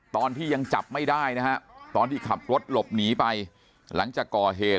ตอนที่ยังจับไม่ได้นะฮะตอนที่ขับรถหลบหนีไปหลังจากก่อเหตุ